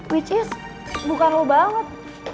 which is bukan lo banget